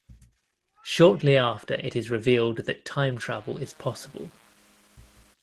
Shortly after it is revealed that time travel is possible.